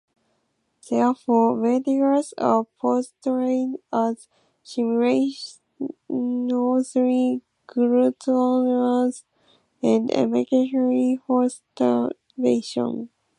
Therefore, wendigos are portrayed as simultaneously gluttonous and emaciated from starvation.